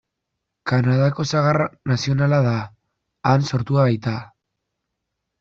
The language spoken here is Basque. Kanadako sagar nazionala da, han sortua baita.